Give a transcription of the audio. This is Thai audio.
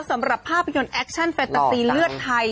สำหรับภาพยนตร์แอคชั่นเฟตาซีเลือดไทย